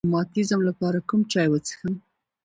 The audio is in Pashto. د روماتیزم لپاره کوم چای وڅښم؟